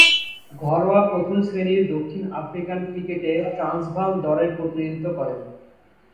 ঘরোয়া প্রথম-শ্রেণীর দক্ষিণ আফ্রিকান ক্রিকেটে ট্রান্সভাল দলের প্রতিনিধিত্ব করেন।